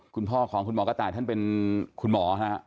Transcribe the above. คุณพ่อของคุณหมอกระต่ายท่านเป็นคุณหมอฮะ